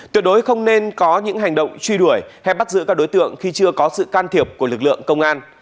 tuyệt đối không nên có những hành động truy đuổi hay bắt giữ các đối tượng khi chưa có sự can thiệp của lực lượng công an